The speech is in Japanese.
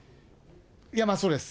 いや、まあ、そうです。